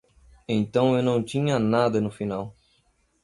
Então eu não tinha nada no final.